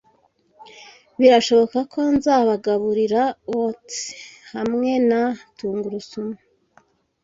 birashoboka ko nzabagaburira oats hamwe na tungurusumu